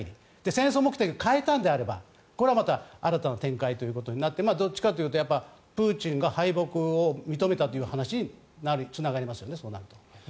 戦争目的を変えたのであれば新たな展開となってどっちかというとプーチンが敗戦を認めたという話につながりますよね、そうなると。